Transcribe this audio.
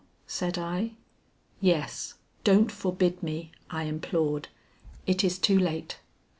said I. "Yes, don't forbid me," I implored; "it is too late."